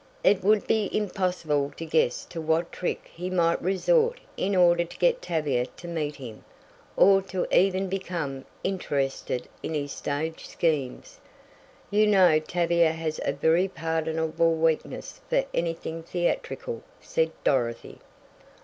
"It would be impossible to guess to what trick he might resort in order to get Tavia to meet him, or to even become interested in his stage schemes. You know Tavia has a very pardonable weakness for anything theatrical," said Dorothy.